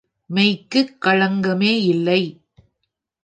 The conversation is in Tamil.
மெய்க்குக் களங்கமே இல்லை.